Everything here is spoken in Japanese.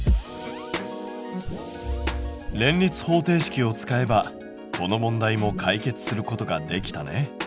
連立方程式を使えばこの問題も解決することができたね。